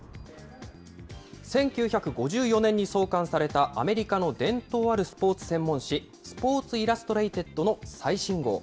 １９５４年に創刊されたアメリカの伝統あるスポーツ専門誌、スポーツ・イラストレイテッドの最新号。